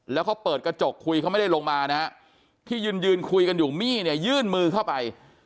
แล้วเขาเปิดกระจกคุยเขาไม่ได้ลงมานะฮะที่ยืนยืนคุยกันอยู่มี่เนี่ยยื่นมือเข้าไป